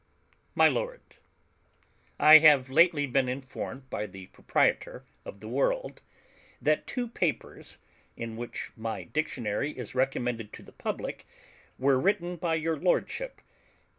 MY LORD: I have lately been informed by the proprietor of The World, that two papers, in which my Dictionary is recommended to the public, were written by your Lordship.